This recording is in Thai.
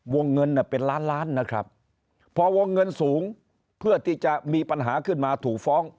วงเงินเป็นล้านล้านนะครับพอวงเงินสูงเพื่อที่จะมีปัญหาขึ้นมาถูกฟ้อง